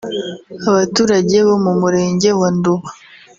Abaturage bo mu murenge wa Nduba